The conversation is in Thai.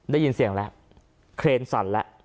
ได้ยินเสียงแล้วเครนสั่นแล้ว